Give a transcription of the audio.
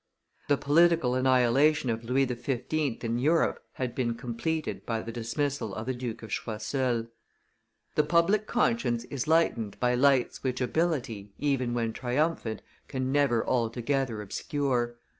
The political annihilation of Louis XV. in Europe had been completed by the dismissal of the Duke of Choiseul. The public conscience is lightened by lights which ability, even when triumphant, can never altogether obscure.